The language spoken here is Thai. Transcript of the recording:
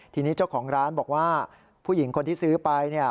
ทีนี้เจ้าของร้านบอกว่าผู้หญิงคนที่ซื้อไป